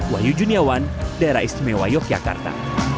wahyu juniawan daerah istimewa yogyakarta